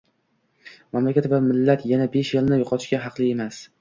Mamlakat va millat yana besh yilni yo'qotishga haqli emas